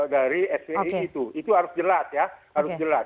jadi itu harus jelas ya